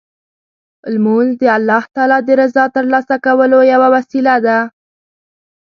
لمونځ د الله تعالی د رضا ترلاسه کولو یوه وسیله ده.